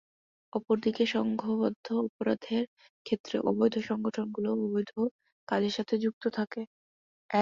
অপরদিকে, সংঘবদ্ধ অপরাধের ক্ষেত্রে অবৈধ সংগঠনগুলোই অবৈধ কাজের সাথে যুক্ত থাকে।